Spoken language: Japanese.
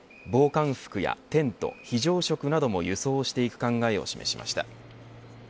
防寒服やテント、非常食なども輸送していく考えを示しました。